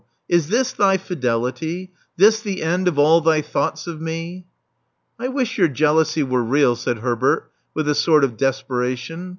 Is this thy fidelity — this the end of all thy thoughts of me?" I wish your jealousy were real," said Herbert, with a sort of desperation.